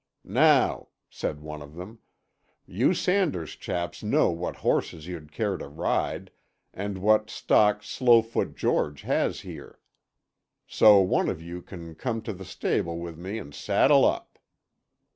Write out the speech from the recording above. "Now," said one of them, "you Sanders chaps know what horses you'd care to ride, and what stock Slowfoot George has here. So one of you can come to the stable wi' me and saddle up."